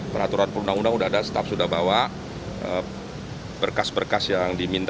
peraturan perundang undang sudah ada staff sudah bawa berkas berkas yang diminta